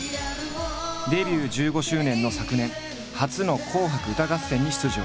デビュー１５周年の昨年初の「紅白歌合戦」に出場。